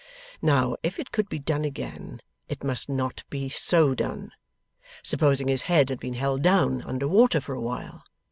Now if it could be done again, it must not be so done. Supposing his head had been held down under water for a while.